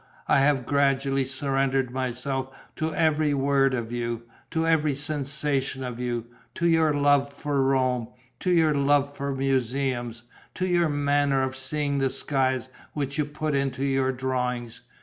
I have gradually surrendered myself to every word of you, to every sensation of you, to your love for Rome, to your love for museums, to your manner of seeing the skies which you put into your drawings.